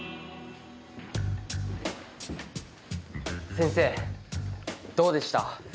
先生どうでした？